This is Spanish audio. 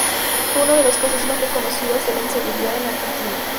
Fue uno de los casos más reconocidos de la inseguridad en la Argentina.